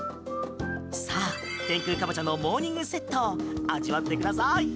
さあ、天空かぼちゃのモーニングセット味わってください！